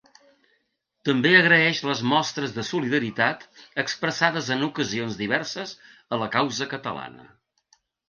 També agraeix les mostres de solidaritat expressades en ocasions diverses a la causa catalana.